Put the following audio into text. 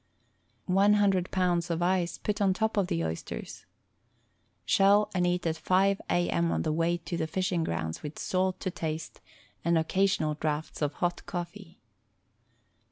One hundred pounds of ice put on top of the oysters. Shell and eat at 5 a. m. on the way to the fishing grounds with salt to taste, and occasional draughts of hot cofEee.